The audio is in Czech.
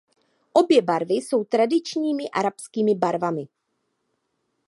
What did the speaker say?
Obě barvy jsou tradičními arabskými barvami.